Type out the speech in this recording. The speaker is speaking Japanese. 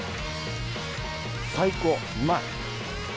最高、うまい！